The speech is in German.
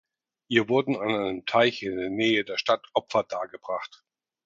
Ihr wurden an einem Teich in der Nähe der Stadt Opfer dargebracht.